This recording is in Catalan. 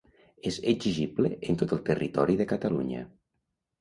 És exigible en tot el territori de Catalunya.